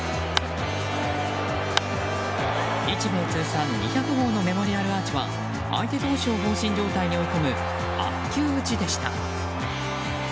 日米通算２００号のメモリアルアーチは相手投手を放心状態に追い込む悪球打ちでした。